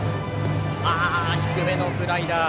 ああ低めのスライダー。